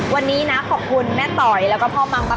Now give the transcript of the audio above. วันนี้นะขอบคุณแม่ต่อยแล้วก็พ่อมังมาก